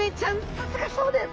さすがそうです！